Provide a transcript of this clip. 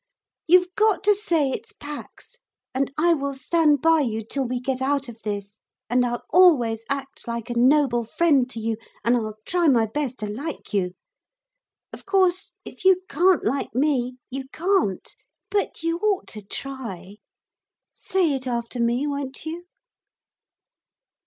You've got to say it's Pax, and I will stand by you till we get out of this, and I'll always act like a noble friend to you, and I'll try my best to like you. Of course if you can't like me you can't, but you ought to try. Say it after me, won't you?'